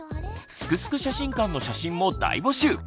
「すくすく写真館」の写真も大募集！